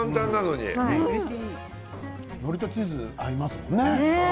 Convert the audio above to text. のりとチーズ合いますね。